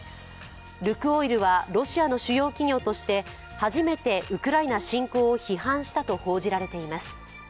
ルクオイルはロシアの主要企業として初めてウクライナ侵攻を批判したと報じられています。